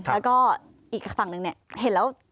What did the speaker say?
แล้วก็อีกฝั่งหนึ่งเนี่ยเห็นแล้ว